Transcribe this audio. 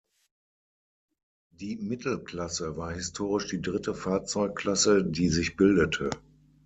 Die Mittelklasse war historisch die dritte Fahrzeugklasse, die sich bildete.